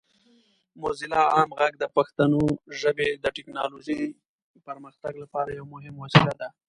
موزیلا عام غږ د پښتو ژبې د ټیکنالوجۍ پرمختګ لپاره یو مهم وسیله ده.